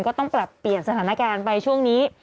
ก็ต้องปรับเปลี่ยนสถานการณ์ไปช่วงนี้